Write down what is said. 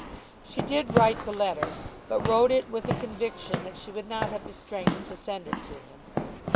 She did write the letter, but wrote it with a conviction that she would not have the strength to send it to him.